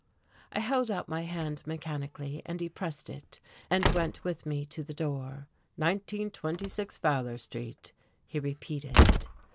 I held out my hand mechanically, and he pressed it, and went with me to the door. "Nineteen twenty six Fowler Street," he repeated...